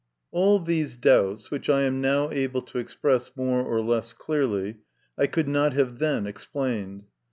All these doubts, which I am now able to express more or less clearly, I could not have then explained.